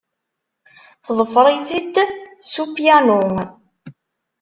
Teḍfer-it-d s upyanu.